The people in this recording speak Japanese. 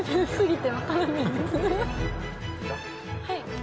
はい。